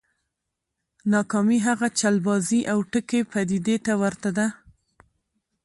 ناکامي هغې چلبازې او ټګې پديدې ته ورته ده.